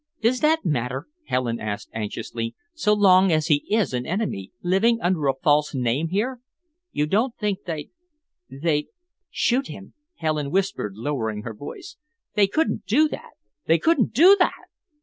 "Does that matter," Helen asked anxiously, "so long as he is an enemy, living under a false name here?" "You don't think they'd they'd " "Shoot him?" Helen whispered, lowering her voice. "They couldn't do that! They couldn't do that!"